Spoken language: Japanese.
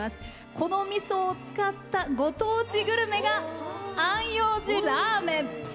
このみそを使ったご当地グルメが安養寺ラーメン。